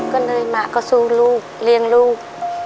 หนื่อยมากก็สู้ลูกเรียงลูก